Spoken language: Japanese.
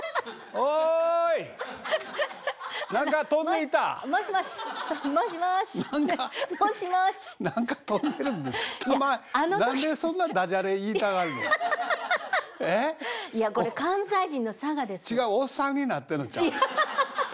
おっさんになってるんちゃう？